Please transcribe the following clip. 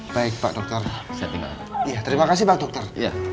baik pak dokter terima kasih pak dokter